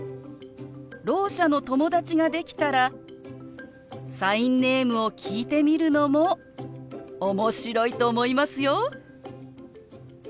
ろう者の友達ができたらサインネームを聞いてみるのも面白いと思いますよ。